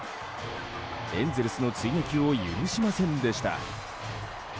エンゼルスの追撃を許しませんでした。